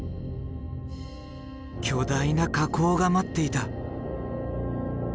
巨大な火口が待っていた。